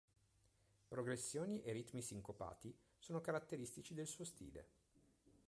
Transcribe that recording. Progressioni e ritmi sincopati sono caratteristici del suo stile.